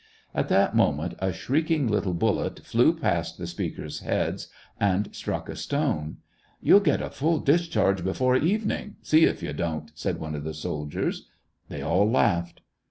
At that moment, a shrieking little bullet flew past the speakers' heads, and struck a stone. "You'll get a full discharge before evening — see if you don't," said one of the soldiers. They all laughed.